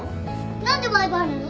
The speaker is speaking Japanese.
何でバイバイなの？